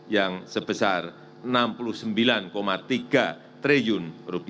yang sebesar rp enam puluh sembilan tiga triliun